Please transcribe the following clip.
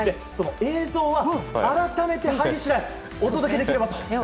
映像は改めて入り次第お届けできればと思います。